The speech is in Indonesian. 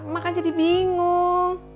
mak kan jadi bingung